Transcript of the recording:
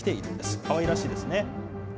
かわいらしいですね。